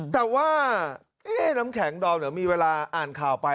แต่ว่าน้ำแข็งดอมเดี๋ยวมีเวลาอ่านข่าวไป